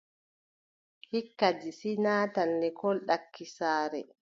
Hikka, Disi naatan lekkol ɗaki saare.